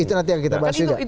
itu nanti akan kita bahas juga